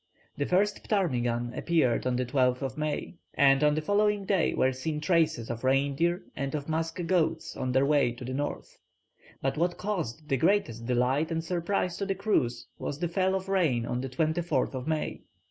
The first ptarmigan appeared on the 12th May, and on the following day were seen traces of reindeer and of musk goats on their way to the north; but what caused the greatest delight and surprise to the crews was the fall of rain on the 24th May.